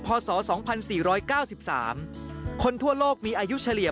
กลับวันนั้นไม่เอาหน่อย